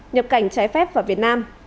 nhập cảnh trái phép vào việt nam